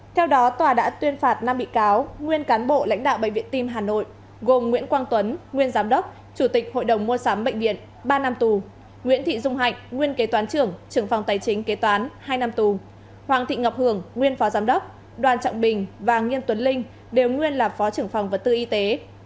theo đó tòa đã tuyên phạt năm bị cáo nguyên cán bộ lãnh đạo bệnh viện tim hà nội gồm nguyễn quang tuấn nguyên giám đốc chủ tịch hội đồng mua sắm bệnh viện ba năm tù nguyễn thị dung hạnh nguyên kế toán trưởng trưởng phòng tài chính kế toán hai năm tù hoàng thị ngọc hường nguyên phó giám đốc đoàn trọng bình và nghiêm tuấn linh đều nguyên là phó trưởng phòng vật tư y tế